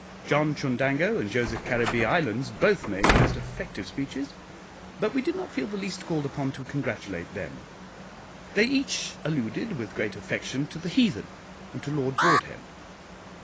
John Chundango and Joseph Caribbee Islands both made most effective speeches, but we did not feel the least called upon to congratulate them: they each alluded with great affection to the heathen and to Lord Broadhem.